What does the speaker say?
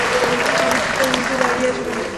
সাবিত্রী তয়, উল্টে দাঁড়িয়ে আছো কেন?